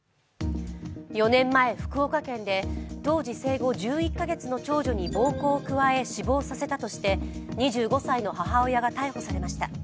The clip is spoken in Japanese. ４年前、福岡県で当時生後１１カ月の長女に暴行を加え、死亡させたとして２５歳の母親が逮捕されました。